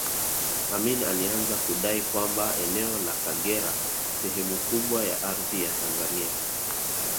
Amin alianza kudai kwamba eneo la Kagera sehemu kubwa ya ardhi ya Tanzania